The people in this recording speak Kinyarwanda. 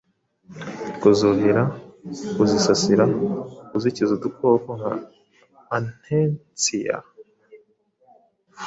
kuzuhira, kuzisasira, kuzikiza udukoko nka antestiya